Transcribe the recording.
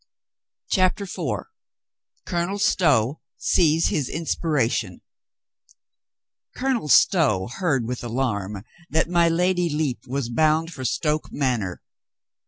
CHAPTER FOUR COLONEL STOW SEES HIS INSPIRATION COLONEL STOW heard with alarm that my Lady Lepe was bound for Stoke Manor.